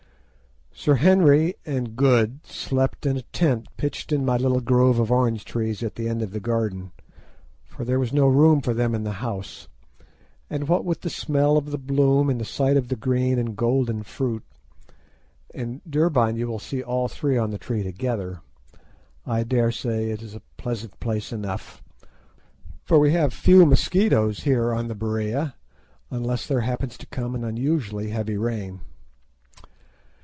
Sir Henry and Good slept in a tent pitched in my little grove of orange trees at the end of the garden, for there was no room for them in the house, and what with the smell of the bloom, and the sight of the green and golden fruit—in Durban you will see all three on the tree together—I daresay it is a pleasant place enough, for we have few mosquitos here on the Berea, unless there happens to come an unusually heavy rain.